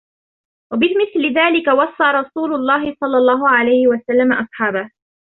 وَبِمِثْلِ ذَلِكَ وَصَّى رَسُولُ اللَّهِ صَلَّى اللَّهُ عَلَيْهِ وَسَلَّمَ أَصْحَابَهُ